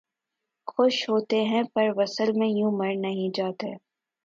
خوش ہوتے ہیں پر وصل میں یوں مر نہیں جاتے